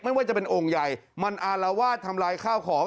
ไม่ว่าจะเป็นโอ่งใหญ่มันอารวาสทำลายข้าวของ